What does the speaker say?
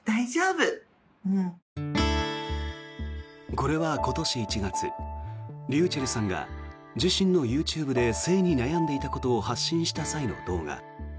これは今年１月ｒｙｕｃｈｅｌｌさんが自身のＹｏｕＴｕｂｅで性に悩んでいたことを発信した際の動画。